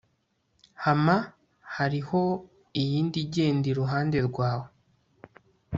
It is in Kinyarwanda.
Hama hariho iyindi igenda iruhande rwawe